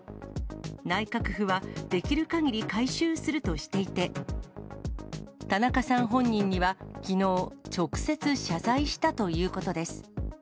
内閣府は、できるかぎり回収するとしていて、たなかさん本人には、きのう、直接謝罪したということです。